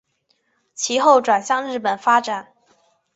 其后转往日本发展。